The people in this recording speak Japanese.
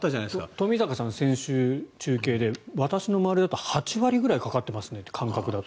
冨坂さん、先週、中継で私の周りだと８割ぐらいかかってますねって感覚だと。